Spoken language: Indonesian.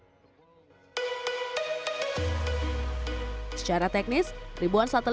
secara teknis ribuan satelit ini berhasil mengembangkan internet